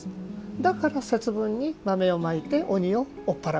だから、節分に豆をまいて鬼を追っ払う。